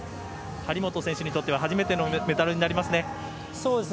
張本選手にとっては初めてのメダルになりますね。